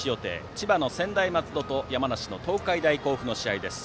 千葉の専大松戸と山梨の東海大甲府の試合です。